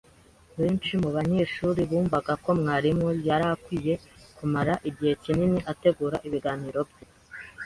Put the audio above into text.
Benshi mubanyeshuri bumvaga ko mwarimu yari akwiye kumara igihe kinini ategura ibiganiro bye